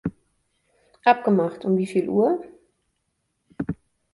Abgemacht! Um wie viel Uhr?